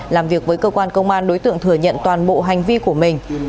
làm việc với cơ quan công an đối tượng thừa nhận toàn bộ hành vi của mình